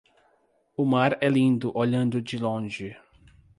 O mar é lindo olhando de longe.